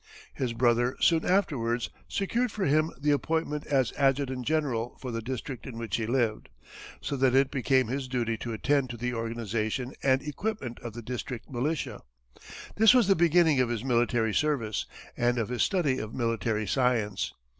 His brother soon afterwards secured for him the appointment as adjutant general for the district in which he lived, so that it became his duty to attend to the organization and equipment of the district militia. This was the beginning of his military service and of his study of military science.